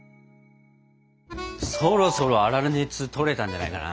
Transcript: そろそろ粗熱とれたんじゃないかな。